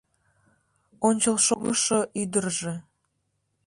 Ончылшогышо ӱдыржӧ